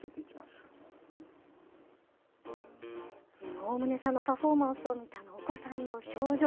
大棟さんのパフォーマンスを見たお子さんの表情。